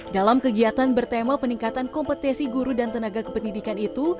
dalam kegiatan bertema peningkatan kompetisi guru dan tenaga kependidikan itu